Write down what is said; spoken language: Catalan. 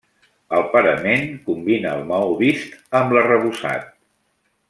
El parament combina el maó vist amb l'arrebossat.